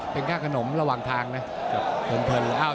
เป็นค่ากระหนมระหว่างทางนะ